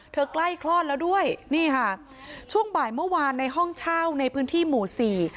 ใกล้คลอดแล้วด้วยนี่ค่ะช่วงบ่ายเมื่อวานในห้องเช่าในพื้นที่หมู่สี่